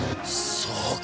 そうか！